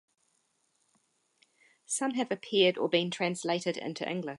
Some have appeared or been translated into English.